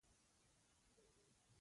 زه له نهو څخه تر پنځو بجو پوری کار کوم